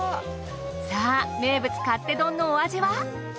さぁ名物勝手丼のお味は？